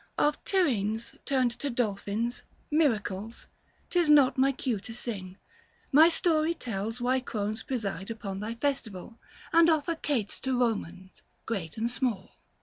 Of Tyrrhenes turned to dolphins, miracles — 'Tis not my cue to sing — my story tells 775 Why crones preside upon thy festival And offer cates to Komans STeat and small.